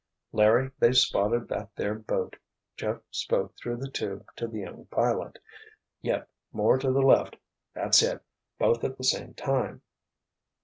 "Larry, they've spotted that there boat," Jeff spoke through the tube to the young pilot. "Yep. More to the left. That's it—both at the same time!